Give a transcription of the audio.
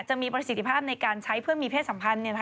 จะมีประสิทธิภาพในการใช้เพื่อมีเพศสัมพันธ์